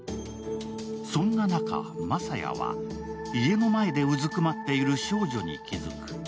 そんな中、真佐也は家の前でうずくまっている少女に気付く。